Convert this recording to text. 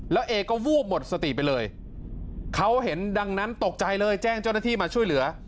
แล้วเอก็วูบหมดสติไปเลยเขาเห็นดังนั้นตกใจเลยแจ้งเจ้าหน้าที่มาช่วยเหลือ